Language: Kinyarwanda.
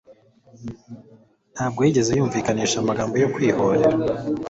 ntabwo yigeze yumvikanisha amagambo yo kwihorera.